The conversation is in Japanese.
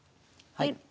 はい。